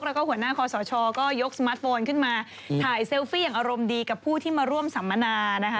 แล้วก็หัวหน้าคอสชก็ยกสมาร์ทโฟนขึ้นมาถ่ายเซลฟี่อย่างอารมณ์ดีกับผู้ที่มาร่วมสัมมนานะคะ